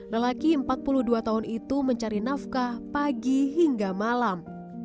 lelaki empat puluh dua tahun itu mencari nafkah pagi hingga malam